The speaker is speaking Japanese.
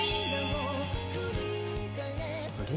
あれ？